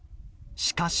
しかし。